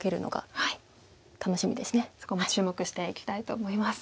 そこも注目していきたいと思います。